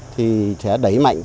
thì sẽ đẩy mạnh